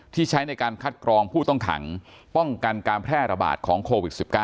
ใช้ในการคัดกรองผู้ต้องขังป้องกันการแพร่ระบาดของโควิด๑๙